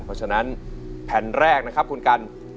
เพราะฉะนั้นแผ่นแรกนะครับคุณกัน